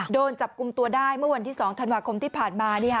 โดนจับกลุ่มตัวได้เมื่อวันที่๒ธันวาคมที่ผ่านมา